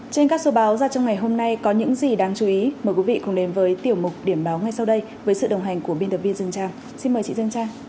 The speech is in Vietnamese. trên các số báo ra trong ngày hôm nay có những gì đáng chú ý mời quý vị cùng đến với tiểu mục điểm báo ngay sau đây với sự đồng hành của biên tập viên dương trang xin mời chị dương trang